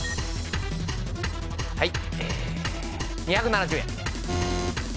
はいえ２７０円。